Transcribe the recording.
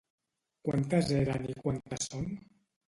Quantes eren i quantes són?